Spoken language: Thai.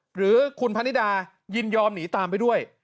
หรือคุณพนิดายินยอมหนีตามไปด้วย